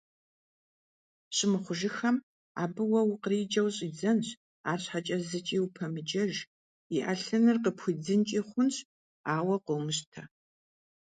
Щымыхъужыххэм абы уэ укъриджэу щӀидзэнщ, арщхьэкӀэ зыкӀи упэмыджэж, и Ӏэлъыныр къыпхуидзынкӀи хъунщ, ауэ къомыщтэ.